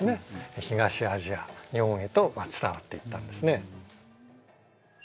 東アジア日本へと伝わっていったんですね。